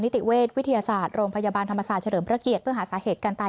ติเวชวิทยาศาสตร์โรงพยาบาลธรรมศาสตร์เฉลิมพระเกียรติเพื่อหาสาเหตุการตาย